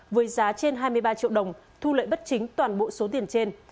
với giá trên hai mươi ba triệu đồng thu lợi bất chính toàn bộ số tiền trên